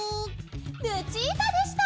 ルチータでした！